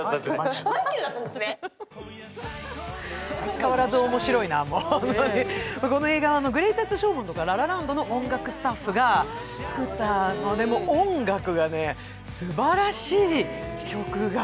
変わらず面白いな、本当にこの映画は「グレイテスト・ショーマン」とか「ラ・ラ・ランド」の音楽スタッフが作ったので、もう音楽がすばらしい、曲が。